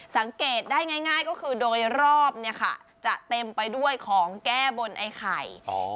สังเกตได้ง่ายก็คือโดยรอบเนี่ยค่ะจะเต็มไปด้วยของแก้บนไอ้ไข่